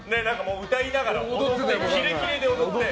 歌いながらキレキレで踊って。